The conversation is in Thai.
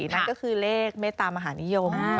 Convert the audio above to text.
นั่นก็คือเลขเมตตามหานิยม